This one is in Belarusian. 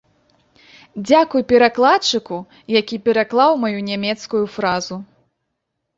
Дзякуй перакладчыку, які пераклаў маю нямецкую фразу.